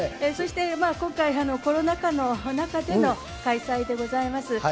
そして今回、コロナ禍の中での開催でございます。